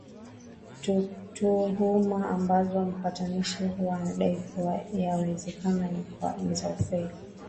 tuhuma ambazo mpatanishi huyo anadai kuwa yawezekana ni za kweli